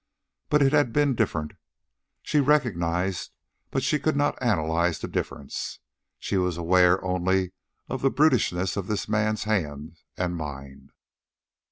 But it had been different. She recognized, but could not analyze, the difference. She was aware only of the brutishness of this man's hands and mind.